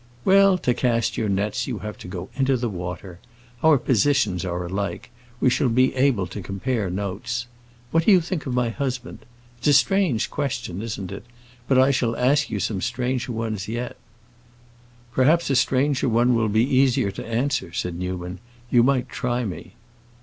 "Well, to cast your nets you have to go into the water. Our positions are alike; we shall be able to compare notes. What do you think of my husband? It's a strange question, isn't it? But I shall ask you some stranger ones yet." "Perhaps a stranger one will be easier to answer," said Newman. "You might try me."